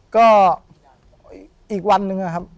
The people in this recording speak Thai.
ก็อีกวันหนึ่งนะครับ